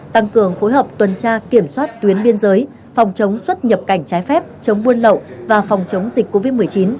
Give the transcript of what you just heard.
tăng cường phối hợp tuần tra kiểm soát tuyến biên giới phòng chống xuất nhập cảnh trái phép chống buôn lậu và phòng chống dịch covid một mươi chín